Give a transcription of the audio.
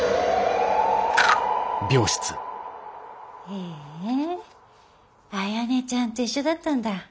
へえあやねちゃんと一緒だったんだ。